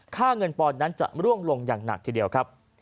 เงินปอนด์นั้นจะร่วงลงอย่างหนักทีเดียวครับ